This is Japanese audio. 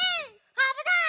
あぶない！